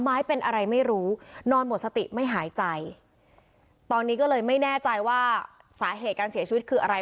ไม้เป็นอะไรไม่รู้นอนหมดสติไม่หายใจตอนนี้ก็เลยไม่แน่ใจว่าสาเหตุการเสียชีวิตคืออะไร